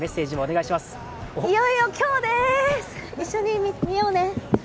いよいよ今日です、一緒に見ようね。